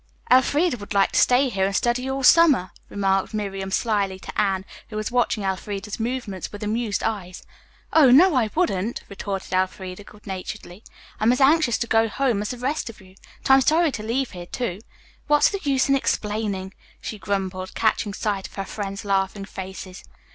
"Elfreda would like to stay here and study all summer," remarked Miriam slyly to Anne, who was watching Elfreda's movements with amused eyes. "Oh, no, I wouldn't," retorted Elfreda good naturedly. "I am as anxious to go home as the rest of you, but I'm sorry to leave here, too. What's the use in explaining?" she grumbled, catching sight of her friends' laughing faces.